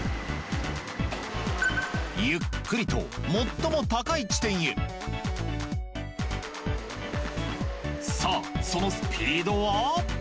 ゆっくりと最も高い地点へさあそのスピードは？